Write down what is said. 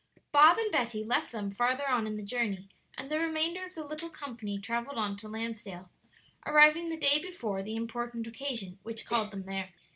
Bob and Betty left them farther on in the journey, and the remainder of the little company travelled on to Lansdale, arriving the day before the important occasion which called them there.